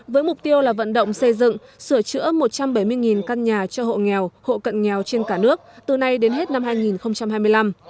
với mục tiêu là vận động xây dựng sửa chữa một trăm bảy mươi căn nhà cho hộ nghèo hộ cận nghèo trên cả nước từ nay đến hết năm hai nghìn hai mươi năm